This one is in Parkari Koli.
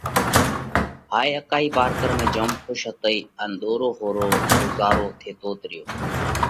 هائي اڪائِي پارڪر ۾ کُش هتئي ان ۮورو ۿورو ڳُزارو ٿيتوت ريو۔